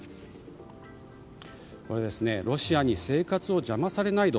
ロシアに生活を邪魔されないぞ。